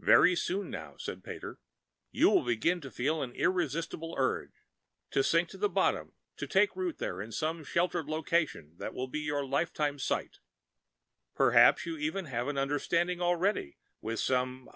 "Very soon now," said Pater, "you will begin feeling an irresistible urge ... to sink to the bottom, to take root there in some sheltered location which will be your lifetime site. Perhaps you even have an understanding already with some